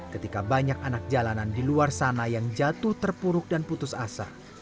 ketika banyak anak jalanan di luar sana yang jatuh terpuruk dan putus asa